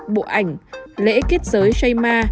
bộ ảnh lễ kết giới shai ma